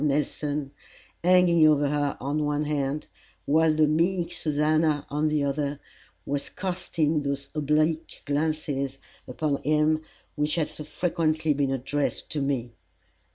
Nelson, hanging over her on one hand, while the meek Susannah on the other, was casting those oblique glances upon him which had so frequently been addressed to me.